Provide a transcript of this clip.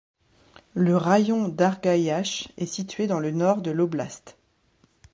Le raïon d'Argaïach est situé dans le nord de l'oblast.